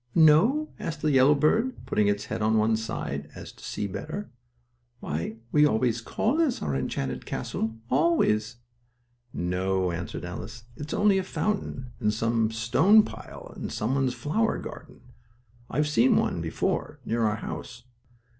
"No?" asked the yellow bird, putting its head on one side, so as to see better. "Why, we always call this our enchanted castle; always." "No," answered Alice. "It is only a fountain in a stone pile in somebody's flower garden. I've seen one before, near our house."